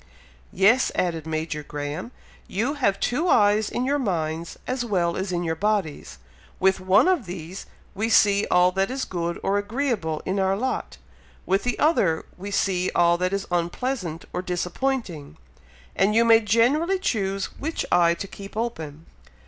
"Yes!" added Major Graham. "You have two eyes in your minds as well as in your bodies. With one of these we see all that is good or agreeable in our lot with the other we see all that is unpleasant or disappointing, and you may generally choose which eye to keep open.